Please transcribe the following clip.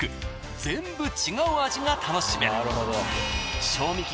全部違う味が楽しめる。